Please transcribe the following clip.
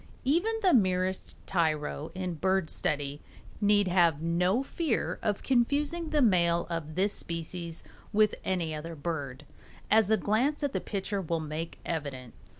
Even the merest tyro in bird study need have no fear of confusing the male of this species with any other bird, as a glance at the picture will make evident.